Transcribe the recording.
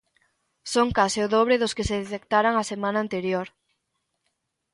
Son case o dobre dos que se detectaran a semana anterior.